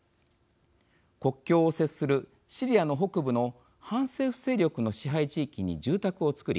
国境を接するシリアの北部の反政府勢力の支配地域に住宅を造り